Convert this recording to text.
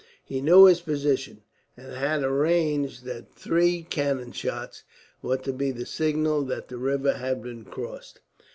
He knew his position, and had arranged that three cannon shots were to be the signal that the river had been crossed.